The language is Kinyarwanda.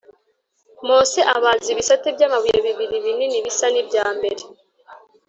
Mose abaza ibisate by amabuye bibiri bisa n ibya mbere